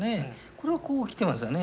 これはこう来てますよね。